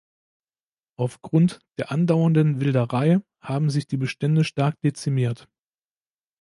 Auf Grund der andauernden Wilderei haben sich die Bestände stark dezimiert.